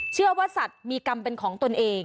เชื่อว่าสัตว์มีกรรมเป็นของตนเอง